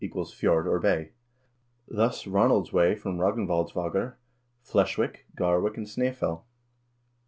vagr, = fjord or bay), thus Ronaldsway from Rognvaldsvdgr, Fleshwick, Garwick, and Snsefell.